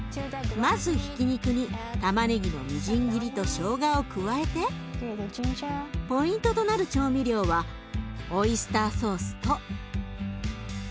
まずひき肉にたまねぎのみじん切りとしょうがを加えてポイントとなる調味料はオイスターソースとごま油。